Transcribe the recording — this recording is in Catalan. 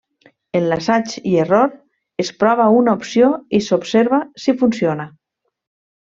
En l'assaig i error es prova una opció i s'observa si funciona.